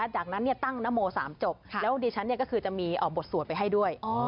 จากนั้นตั้งนโม๓จบแล้วดิฉันก็คือจะมีบทสวดไปให้ด้วย